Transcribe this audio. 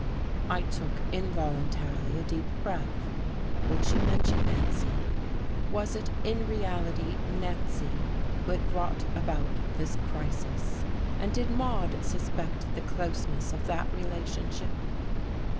I took, involuntarily, a deep breath. Would she mention Nancy? Was it in reality Nancy who had brought about this crisis? And did Maude suspect the closeness of that relationship?